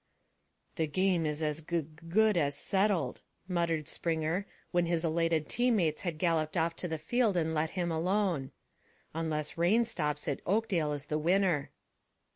"The game is as gug good as settled," muttered Springer, when his elated teammates had galloped off to the field and left him alone. "Unless rain stops it, Oakdale is the winner."